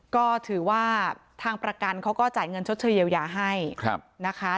ก็ถือว่าทางประกันเขาก็จ่ายเงินชดเชยเยียวยาให้นะคะ